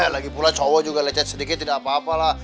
lagi pula cowok juga lecet sedikit tidak apa apa lah